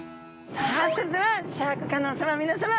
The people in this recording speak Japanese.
それではシャーク香音さま皆さま！